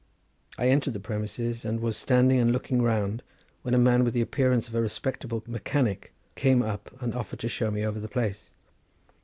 I entered the premises, and was standing and looking round, when a man with the appearance of a respectable mechanic came up and offered to show me over the place.